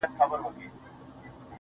o يو څو د ميني افسانې لوستې.